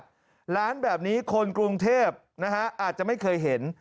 ก็เข้ามาเฉลยว่าร้านแบบนี้คนกรุงเทพอาจจะไม่เคยเห็น